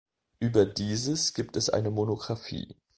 Über dieses gibt es eine Monographie.